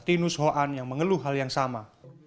martinus hoan yang mengeluh hal yang sama